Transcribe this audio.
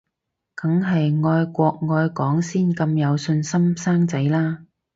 梗係愛國愛港先咁有信心生仔啦